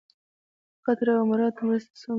د قطر او اماراتو مرستې څومره دي؟